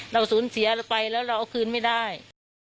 เราสูญเสียเราไปแล้วเราเอาคืนไม่ได้